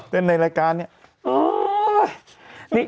เติ้นในรายการนี่